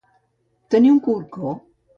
Tenir un corcó.